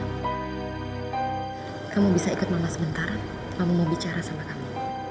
bosya kamu bisa ikut mama sebentar mama mau bicara sama kamu